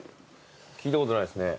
聞いたことないですね。